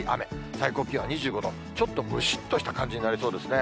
最高気温２５度、ちょっとむしっとした感じになりそうですね。